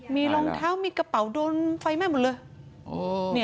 มีรองเท้ามีกระเป๋าโดนไฟไหม้หมดเลย